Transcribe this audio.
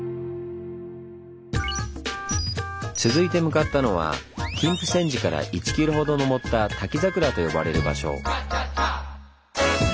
続いて向かったのは金峯山寺から１キロほど登った「滝桜」と呼ばれる場所。